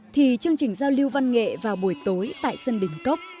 thì chương trình giao lưu văn nghệ vào buổi tối tại sân đỉnh cốc